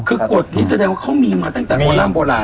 คือกฎนี้แสดงว่าเขามีมาตั้งแต่โบร่ำโบราณ